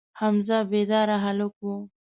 حمزه بیداره هلک و.